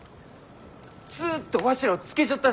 ずっとわしらをつけちょったじゃろうが！